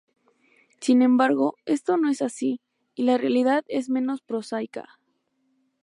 Sin embargo, esto no es así, y la realidad es menos prosaica.